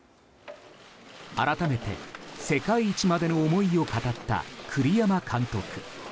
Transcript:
改めて、世界一までの思いを語った栗山監督。